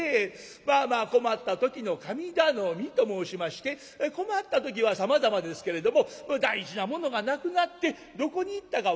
まあまあ困った時の神頼みと申しまして困った時はさまざまですけれども大事なものがなくなってどこに行ったか分からん。